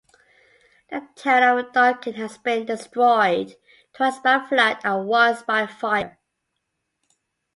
The town of Duncan has been destroyed twice by flood and once by fire.